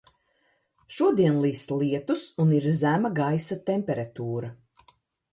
Šodien līst lietus un ir zema gaisa temperatūra.